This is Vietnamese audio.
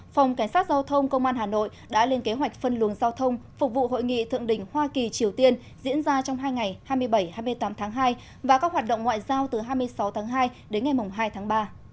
phòng cảnh sát giao thông công an hà nội đã lên kế hoạch phân luồng giao thông phục vụ hội nghị thượng đỉnh hoa kỳ triều tiên diễn ra trong hai ngày hai mươi bảy hai mươi tám tháng hai và các hoạt động ngoại giao từ hai mươi sáu tháng hai đến ngày hai tháng ba